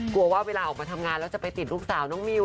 กลัวว่าเวลาออกมาทำงานแล้วจะไปติดลูกสาวน้องมิว